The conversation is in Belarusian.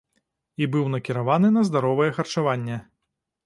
І быў накіраваны на здаровае харчаванне.